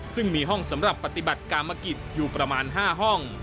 ซึ่งมีห้องสำหรับปฏิบัติกามกิจอยู่ประมาณ๕ห้อง